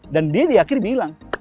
dan dia di akhir bilang